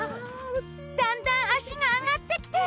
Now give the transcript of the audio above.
だんだん足が上がってきてる。